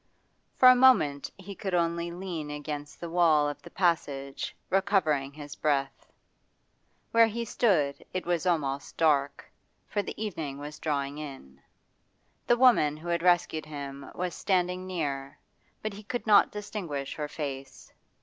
For a moment he could only lean against the wall of the passage, recovering his breath. Where he stood it was almost dark, for the evening was drawing in. The woman who had rescued him was standing near, but he could not distinguish her face.